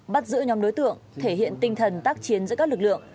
bắt giữ nhóm đối tượng thể hiện tinh thần tác chiến giữa các lực lượng